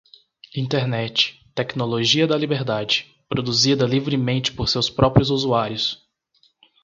Internet, tecnologia da liberdade, produzida livremente por seus próprios usuários.